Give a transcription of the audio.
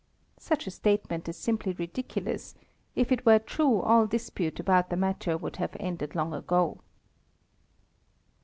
Such a statement is simply ridiculous; if it were true, all dispute about the matter would have ended long ago.